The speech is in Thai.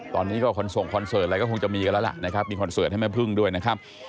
ตอนนี้ก็คอนส่งคอนเสิร์ตอะไรก็คงจะมีกันแล้วล่ะนะครับมีคอนเสิร์ตให้แม่พึ่งด้วยนะครับ